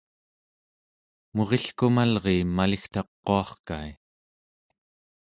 murilkumalriim maligtaquarkai